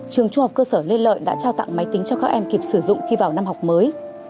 trường trung học cơ sở lê lợi đã trao tặng máy tính cho các em kịp sử dụng khi vào năm học mới